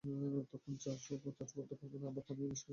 তখন চাষও করতে পারবেন না, আবার পানি নিষ্কাশনের টাকাও গচ্চা যাবে।